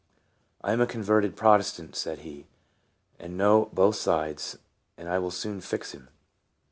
" I am a converted Protestant," said he, "and know both sides, and I will soon fix him."